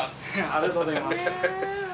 ありがとうございます。